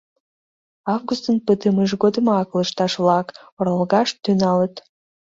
Августын пытымыж годымак лышташ-влак оралгаш тӱҥалыт.